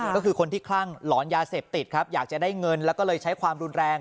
ก็คือคนที่คลั่งหลอนยาเสพติดครับอยากจะได้เงินแล้วก็เลยใช้ความรุนแรง